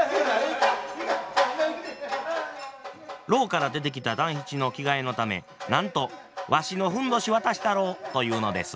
牢から出てきた団七の着替えのためなんと「わしのふんどし渡したろ」と言うのです。